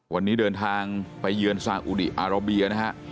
วันนี้เดินทางไปเยือนซาอุดีอาราเบียนะฮะ